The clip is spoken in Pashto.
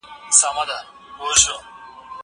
زه اجازه لرم چي سبا ته فکر وکړم!؟